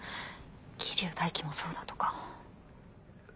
桐生大輝もそうだとか。